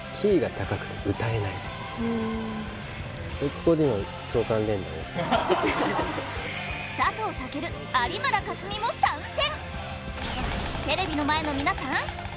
今回は佐藤健、有村架純も参戦！